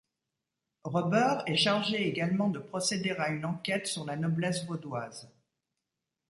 Rebeur est chargé également de procéder à une enquête sur la noblesse vaudoise.